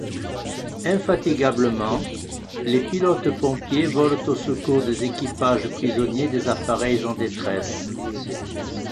Infatigablement, les pilotes pompiers volent au secours des équipages prisonniers des appareils en détresse.